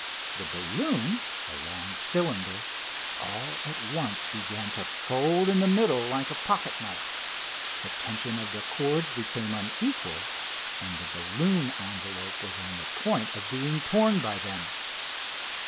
The balloon, a long cylinder, all at once began to fold in the middle like a pocket knife, the tension of the cords became unequal, and the balloon envelope was on the point of being torn by them.